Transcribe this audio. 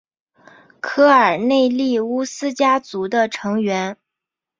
科尔内利乌斯家族的成员。